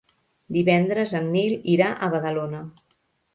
Divendres en Nil irà a Badalona.